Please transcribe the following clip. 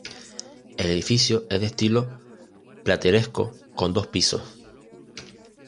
El edificio es de estilo plateresco con dos pisos.